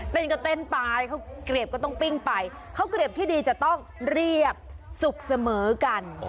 เต้นก็เต้นไปเขาเกลียบก็ต้องปิ้งไปข้าวเกลียบที่ดีจะต้องเรียบสุกเสมอกัน